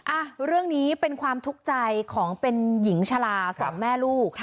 อ่ะเรื่องนี้เป็นความทุกข์ใจของเป็นหญิงชะลาสองแม่ลูก